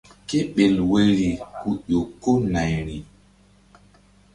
Kéɓel woyri ku ƴo ko nayri.